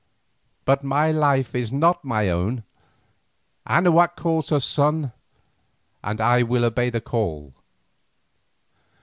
But my life is not my own. Anahuac calls her son and I obey the call.